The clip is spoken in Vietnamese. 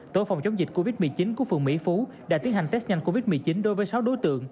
tổ phòng chống dịch covid một mươi chín của phường mỹ phú đã tiến hành test nhanh covid một mươi chín đối với sáu đối tượng